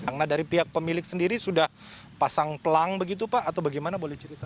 karena dari pihak pemilik sendiri sudah pasang pelang begitu pak atau bagaimana boleh cerita